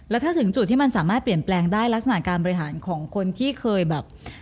แล้วถ้าถึงจุดที่มันสามารถเปลี่ยนแปลงได้ลักษณะการบริหารของคนที่เคยแบบ